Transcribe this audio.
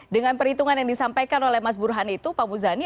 dengan perhitungan yang disampaikan oleh mas burhan itu pak muzani